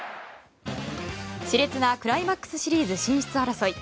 熾烈なクライマックスシリーズ進出争い。